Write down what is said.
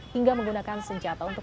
hingga menggunakan senjata untuk